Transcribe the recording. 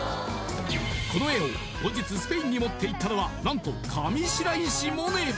この絵を後日スペインに持っていったのは何と上白石萌音